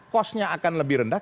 kosnya akan lebih rendah